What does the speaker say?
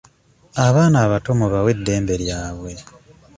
Abaana abato mubawe eddembe lyabwe.